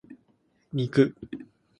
肉